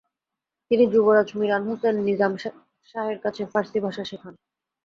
তিনি যুবরাজ মিরান হোসেন নিজাম শাহের কাছে ফার্সি ভাষা শেখান।